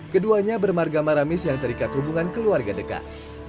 keduanya bermarga maramis yang terikat hubungan keluarga dekat